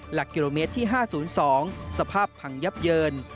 หลักกิโลเมตรที่๕๐๒สภาพพังยับเยิน